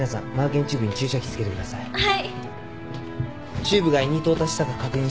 はい。